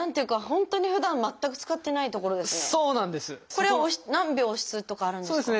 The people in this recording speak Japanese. これを何秒押すとかあるんですか？